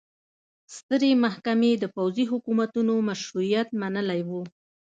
سترې محکمې د پوځي حکومتونو مشروعیت منلی و.